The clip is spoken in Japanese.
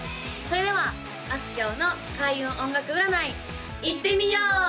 それではあすきょうの開運音楽占いいってみよう！